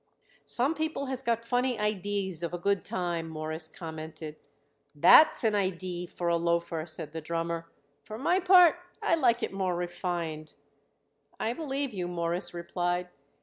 "Some people has got funny idees of a good time," Morris commented. "That's an idee for a loafer," said the drummer. "For my part I like it more refined." "I believe you," Morris replied.